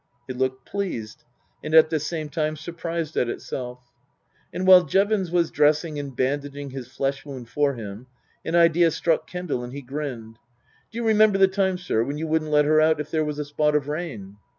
It looked pleased, and at the same time surprised at itself. And while Jevons was dressing and bandaging his flesh wound for him an idea struck Kendal and he grinned. " D'you remember the time, sir, when you wouldn't let her out if there was a spot of rain